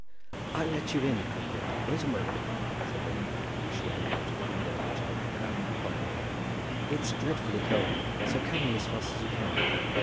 "I'll let you in, uncle; wait a moment," said Lily, as she unbolted the window which opened out upon the lawn. "It's dreadfully cold, so come in as fast as you can."